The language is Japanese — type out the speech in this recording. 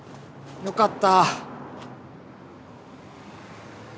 よかった！